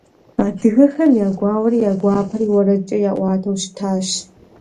Адыгэхэм я гуауэри, я гуапэри уэрэдкӀэ яӀуатэу щытащ.